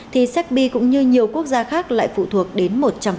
thì serbia cũng như nhiều quốc gia khác lại phụ thuộc đến một trăm linh